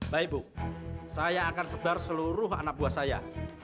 baik bu saya akan sebar seluruh anak buah saya